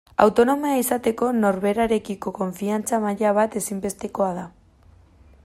Autonomoa izateko norberarekiko konfiantza maila bat ezinbestekoa da.